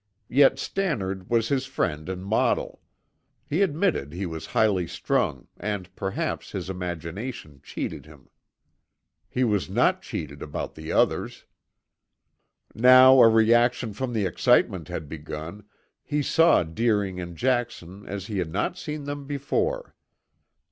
Yet Stannard was his friend and model. He admitted he was highly strung and perhaps his imagination cheated him. He was not cheated about the others. Now a reaction from the excitement had begun, he saw Deering and Jackson as he had not seen them before.